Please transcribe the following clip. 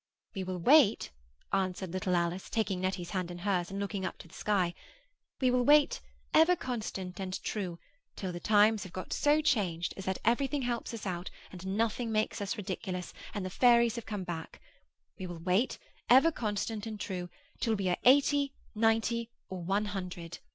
'We will wait,' answered little Alice, taking Nettie's hand in hers, and looking up to the sky, 'we will wait—ever constant and true—till the times have got so changed as that everything helps us out, and nothing makes us ridiculous, and the fairies have come back. We will wait—ever constant and true—till we are eighty, ninety, or one hundred.